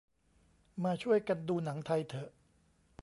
มาช่วยกันดูหนังไทยเถอะ